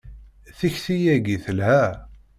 Tikti-yagi telha.